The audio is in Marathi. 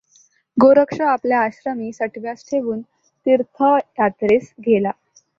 गोरक्ष आपल्या आश्रमीं सटव्यांस ठेवून तीर्थयात्रेस गेला.